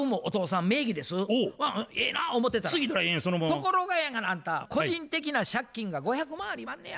ところがやがなあんた個人的な借金が５００万ありまんねや。